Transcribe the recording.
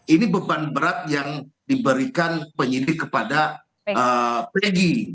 ini beban berat yang diberikan penyidik kepada pegi